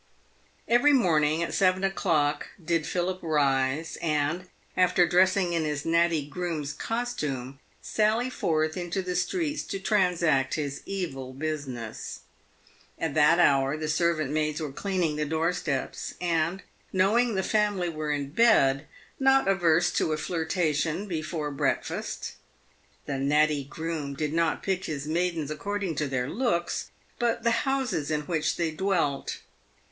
Every morning at seven o'clock did Philip rise, and, after dressing in his natty groom's costume, sally forth into the streets to transact his evil business. At that hour the servant maids were cleaning the door steps, and, knowing the family were in bed, not averse to a flir tation before breakfast. The natty groom did not pick his maidens according to their looks, but the houses in which they dwelt.